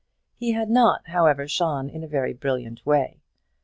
He had not, however, shone in a very brilliant way.